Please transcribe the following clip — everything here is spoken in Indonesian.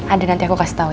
ada nanti aku kasih tau ya